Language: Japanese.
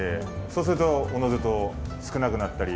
そうするとおのずと少なくなったり。